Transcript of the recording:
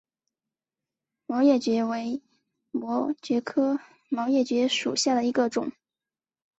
毛叶蕨为膜蕨科毛叶蕨属下的一个种。